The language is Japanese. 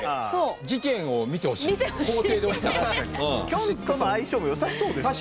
キョンとの相性も良さそうですしね。